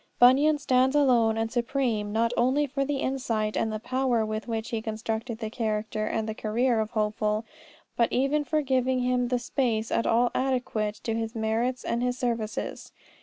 Bunyan stands alone and supreme not only for the insight, and the power with which he has constructed the character and the career of Hopeful, but even for having given him the space at all adequate to his merits and his services.